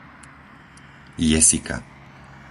Jesika